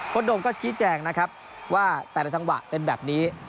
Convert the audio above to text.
โดมก็ชี้แจงนะครับว่าแต่ละจังหวะเป็นแบบนี้